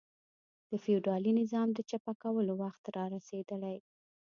د فیوډالي نظام د چپه کولو وخت را رسېدلی.